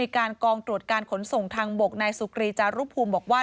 การขนส่งทางบกนายสุกรีจารุภูมิบอกว่า